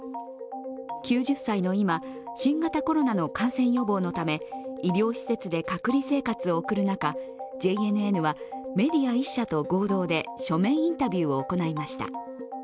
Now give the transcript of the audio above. ９０歳の今、新型コロナの感染予防のため医療施設で隔離生活を送る中、ＪＮＮはメディア１社と合同で書面インタビューを行いました。